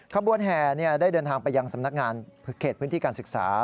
ขบวนแห่ได้เดินทางไปยังสำนักงานเขตพื้นที่การศึกษา